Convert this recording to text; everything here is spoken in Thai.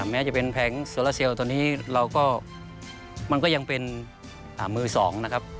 แม้จะเป็นแผงโซลาเซลตอนนี้เราก็มันก็ยังเป็นมือสองนะครับ